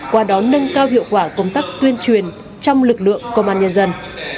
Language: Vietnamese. qua đó nâng cao hiệu quả công tác tuyên truyền trong lực lượng công an nhân dân